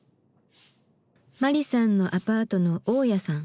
マリさんのアパートの大家さん。